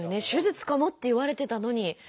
「手術かも」って言われてたのに。